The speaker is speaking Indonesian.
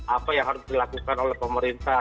apa yang harus dilakukan oleh pemerintah